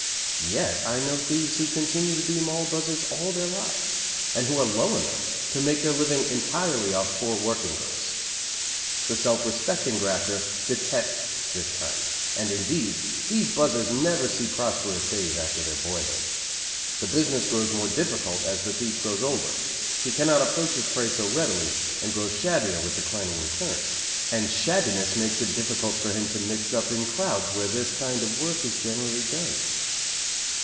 Yet I know thieves who continue to be Moll buzzers all their lives; and who are low enough to make their living entirely off poor working girls. The self respecting grafter detests this kind; and, indeed, these buzzers never see prosperous days after their boyhood. The business grows more difficult as the thief grows older. He cannot approach his prey so readily, and grows shabbier with declining returns; and shabbiness makes it difficult for him to mix up in crowds where this kind of work is generally done.